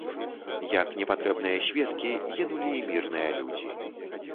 Як непатрэбныя сведкі, гінулі і мірныя людзі.